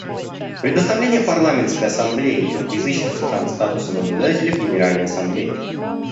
Предоставление Парламентской ассамблее тюркоязычных стран статуса наблюдателя в Генеральной Ассамблее.